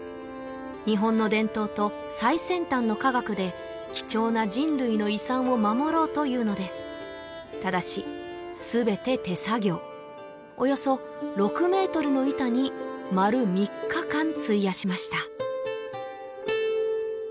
日本の伝統と最先端の科学で貴重な人類の遺産を守ろうというのですただし全て手作業およそ６ｍの板に丸３日間費やしました